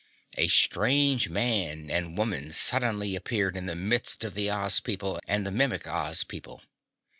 A strange man and woman suddenly appeared in the midst of the Oz people and the Mimic Oz people.